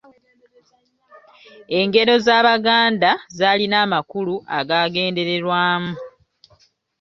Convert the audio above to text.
Engero z'Abaganda zaalina amakulu agaagendererwamu.